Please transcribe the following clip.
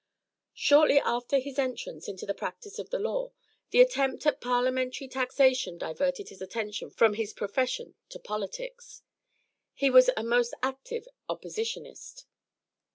Shortly after his entrance into the practice of the law, the attempt at parliamentary taxation diverted his attention from his profession to politics. He was a most active oppositionist.